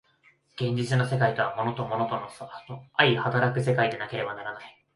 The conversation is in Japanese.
現実の世界とは物と物との相働く世界でなければならない。